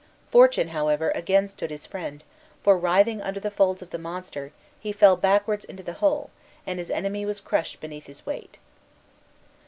Fortune, however, again stood his friend, for, writhing under the folds of the monster, he fell backwards into the hole, and his enemy was crushed beneath his weight.